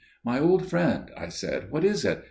"My old friend," I said, "what is it?